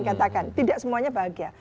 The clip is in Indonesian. katakan tidak semuanya bahagia